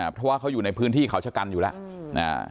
เพราะว่าเขาอยู่ในพื้นที่เขาชะกันอยู่แล้ว